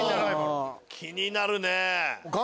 気になるね。